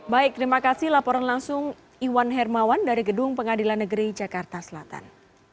baik terima kasih laporan langsung iwan hermawan dari gedung pengadilan negeri jakarta selatan